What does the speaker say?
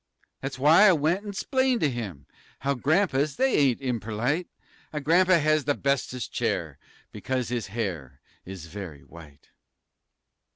That's w'y I went an' 'xplained to him How grampas, they ain't imperlite, A grampa has th' bestest chair Because his hair is very white.